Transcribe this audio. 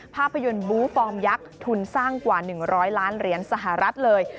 ภาพยนตร์บูฟอร์มยักษ์ทุนสร้างกว่า๑๐๐ล้านเหรียญสหรัฐเลย